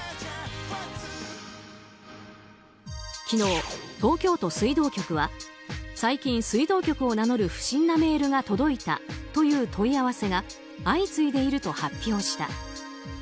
昨日、東京都水道局は最近、水道局を名乗る不審なメールが届いたという問い合わせが相次いでいると発表した。